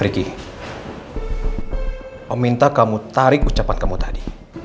riki om minta kamu tarik ucapan kamu tadi